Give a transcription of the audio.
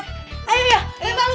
pelan pelan pelan